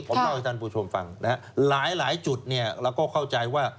ผมเล่าให้ท่านผู้ชมฟังนะฮะหลายจุดเนี่ยเราก็เข้าใจว่า